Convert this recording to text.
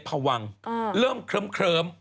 พวังเริ่มเคลิ้ม